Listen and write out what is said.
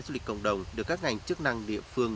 du lịch cộng đồng được các ngành chức năng địa phương